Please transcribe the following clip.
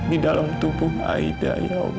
di dalam tubuh aida